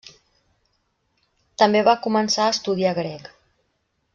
També va començar a estudiar grec.